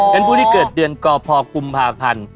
เป็นผู้ที่เกิดเดือนกพกุมภาพันธ์